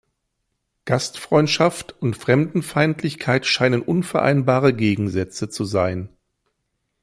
Gastfreundschaft und Fremdenfeindlichkeit scheinen unvereinbare Gegensätze zu sein.